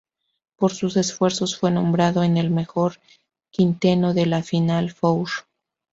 Por sus esfuerzos fue nombrado en el mejor quinteto de la Final Four.